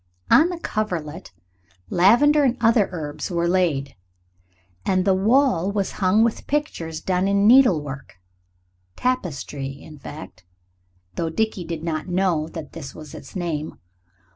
On the coverlet lavender and other herbs were laid. And the wall was hung with pictures done in needlework tapestry, in fact, though Dickie did not know that this was its name.